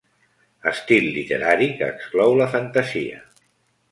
Estil literari que exclou la fantasia.